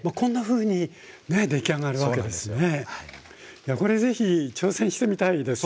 いやこれ是非挑戦してみたいですよね？